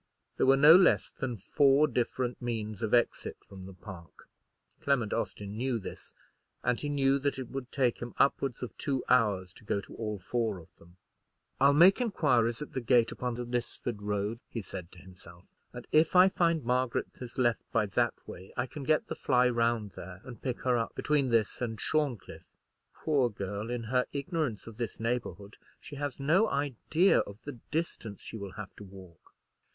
There were no less than four different means of exit from the park. Clement Austin knew this, and he knew that it would take him upwards of two hours to go to all four of them. "I'll make inquiries at the gate upon the Lisford Road," he said to himself; "and if I find Margaret has left by that way, I can get the fly round there, and pick her up between this and Shorncliffe. Poor girl, in her ignorance of this neighbourhood, she has no idea of the distance she will have to walk!"